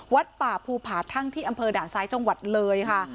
วัดป่าภูผาทั่งที่อำเภอด่านซ้ายจังหวัดเลยค่ะ